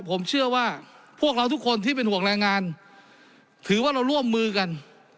ผมเชื่อว่าพวกเราทุกคนที่เป็นห่วงแรงงานถือว่าเราร่วมมือกัน